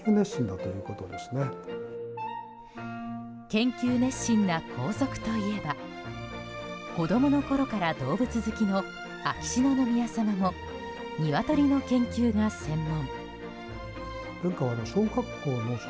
研究熱心な皇族といえば子供のころから動物好きの秋篠宮さまもニワトリの研究が専門。